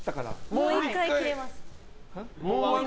もう１回切れます。